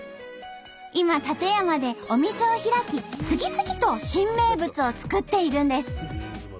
今館山でお店を開き次々と新名物を作っているんです。